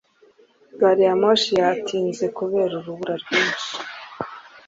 Gariyamoshi yatinze kubera urubura rwinshi.